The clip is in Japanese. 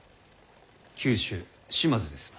九州島津ですな。